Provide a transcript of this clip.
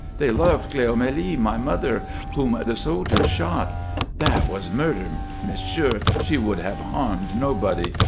They loved Cleomélie, my mother, whom the soldiers shot. That was murder. Monsieur she would have harmed nobody.